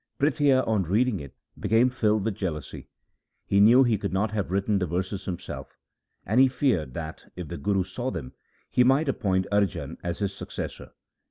Prithia on reading it became filled with jealousy. He knew he could not have written the verses himself, and he feared that, if the Guru saw them, he might appoint Arjan as his successor.